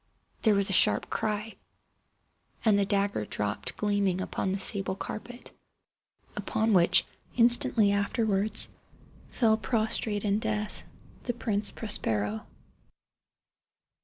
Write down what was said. There was a sharp cry—and the dagger dropped gleaming upon the sable carpet, upon which, instantly afterwards, fell prostrate in death the Prince Prospero.